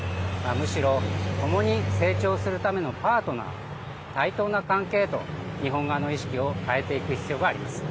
むしろ、共に成長するためのパートナー、対等な関係へと日本側の意識を変えていく必要があります。